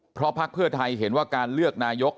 เพราะพักเพื่อไทยเห็นว่าการเลือกนายก